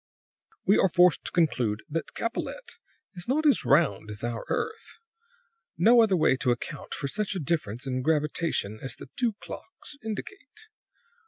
"We are forced to conclude that Capellette is not as round as our earth. No other way to account for such a difference in gravitation as the two clocks indicate.